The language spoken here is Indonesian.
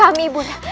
oh ibu bunda